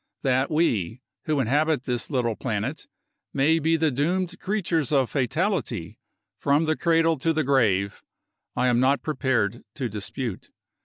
That we, who inhabit this little planet, may be the doomed creatures of fatality, from the cradle to the grave, I am not prepared to dispute.